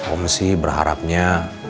om sih berharapnya